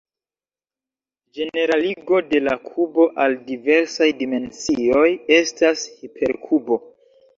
Ĝeneraligo de la kubo al diversaj dimensioj estas "hiperkubo".